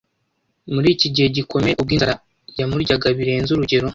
Muri iki gihe gikomeye, ubwo inzara yamuryaga birenze urugero,